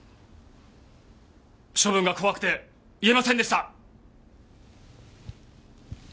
処分が怖くて言えませんでした！